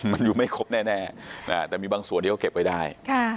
มันอยู่ไม่ครบแน่แต่มีบางส่วนที่เขาเก็บไว้ได้